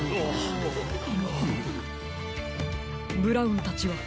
ブラウンたちは？